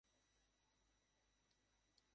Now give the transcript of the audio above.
ওহ, সেটাই তো, জানতাম বিষয়টা!